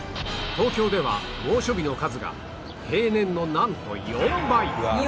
東京では猛暑日の数が平年のなんと４倍！